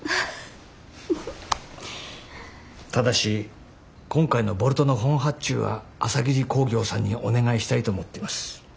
ただし今回のボルトの本発注は朝霧工業さんにお願いしたいと思ってます。